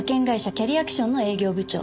キャリアクションの営業部長。